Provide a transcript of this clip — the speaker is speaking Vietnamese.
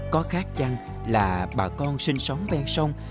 có khác chăng là bà con sinh sống bên sông